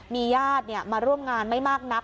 มีญาติมาร่วมงานไม่มากนัก